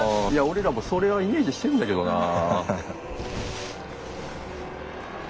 俺らもそれはイメージしてるんだけどなぁ。